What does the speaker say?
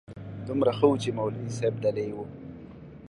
دومره ښه و چې مولوي صاحب دلې و.